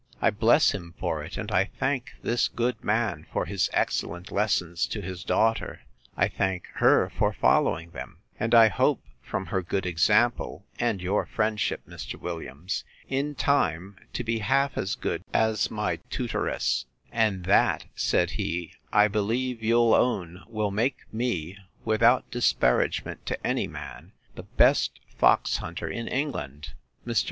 I bless Him for it; and I thank this good man for his excellent lessons to his daughter; I thank her for following them: and I hope, from her good example, and your friendship, Mr. Williams, in time, to be half as good as my tutoress: and that, said he, I believe you'll own, will make me, without disparagement to any man, the best fox hunter in England.—Mr.